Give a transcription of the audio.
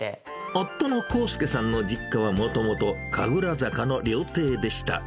夫の宏祐さんの実家はもともと神楽坂の料亭でした。